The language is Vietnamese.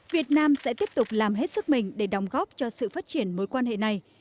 việt nam sẽ tiếp tục làm hết sức mình để đóng góp cho sự phát triển mối quan hệ này